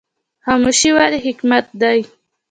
خاموشي ولې حکمت دی؟